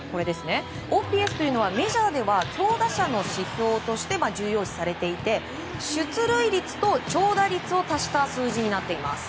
ＯＰＳというのはメジャーでは強打者の指標として重要視されていて出塁率と長打率を足した数字になっています。